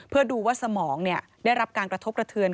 เพื่อดูว่าสมองได้รับการกระทบกระเทือน